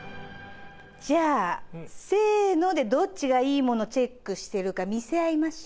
じゃあ「せの」でどっちがいいものチェックしてるか見せ合いましょ？